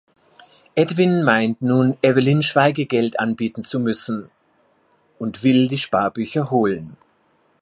Edwin meint nun, Evelyn Schweigegeld anbieten zu müssen, und will die Sparbücher holen.